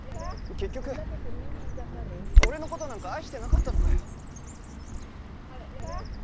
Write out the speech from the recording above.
結局俺の事なんか愛してなかったのかよ。